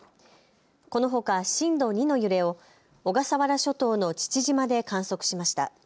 このほか震度２の揺れを小笠原諸島の父島で観測しました。